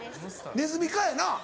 ネズミ科やな？